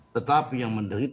tetapi yang menderita